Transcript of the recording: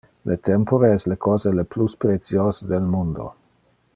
Le tempore es le cosa le plus preciose del mundo.